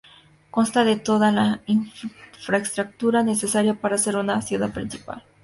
Consta de toda la infraestructura necesaria para ser una ciudad principal.